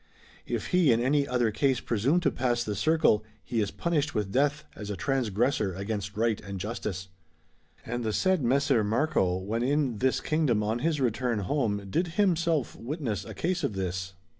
If he in any other case presume to pass the circle he is punished with death as a transgressor against right and justice. And the said Messer Marco, when in this kingdom on his return home, did himself witness a case of this.